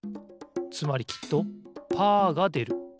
つまりきっとパーがでる。